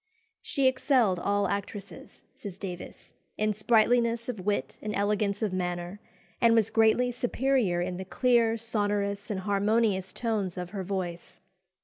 "She excelled all actresses," says Davies, "in sprightliness of wit and elegance of manner, and was greatly superior in the clear, sonorous, and harmonious tones of her voice."